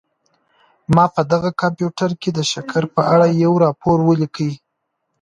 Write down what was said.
ما په دغه کمپیوټر کي د شکر په اړه یو راپور ولیکلی.